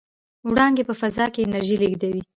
وړانګې په فضا کې انرژي لېږدوي.